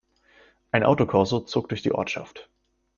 Ein Autokorso zog durch die Ortschaft.